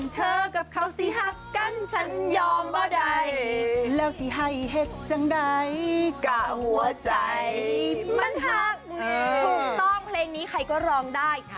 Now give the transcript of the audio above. ถูกต้องเพลงนี้ใครก็ร้องได้